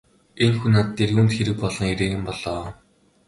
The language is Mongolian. Энэ хүн над дээр юунд хэрэг болгон ирээ юм бол оо!